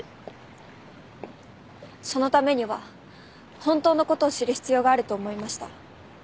そのためには本当の事を知る必要があると思いました。